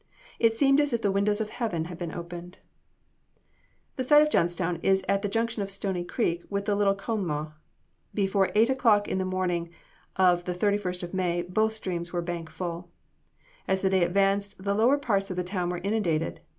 It seemed as if the windows of heaven had been opened. The site of Johnstown is at the Junction of Stony Creek with the Little Conemaugh. Before eight o'clock on the morning of the 31st of May, both streams were bank full. As the day advanced the lower parts of the town were inundated.